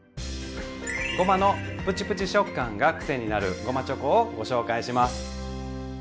ごまのプチプチ食感がくせになるごまチョコをご紹介します。